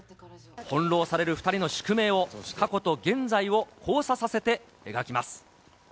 翻弄される２人の宿命を、過去と現在を交差させて描きます。